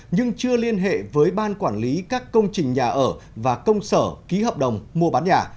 nhưng chưa liên hệ với ban quản lý các công trình nhà ở và công sở ký hợp đồng mua bán nhà